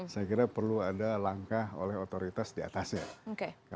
saya kira perlu ada langkah oleh otoritas diatasnya